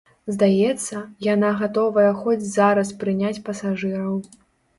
Здаецца, яна гатовая хоць зараз прыняць пасажыраў.